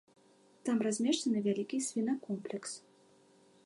Там размешчаны вялікі свінакомплекс.